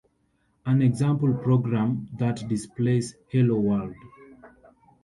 An example program that displays Hello World!